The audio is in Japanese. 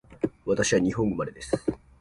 私は日本生まれです